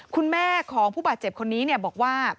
คุณแม่ของผู้บาดเจ็บคนนี้บอกว่า